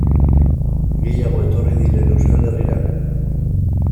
Gehiago etorri diren Euskal Herrira?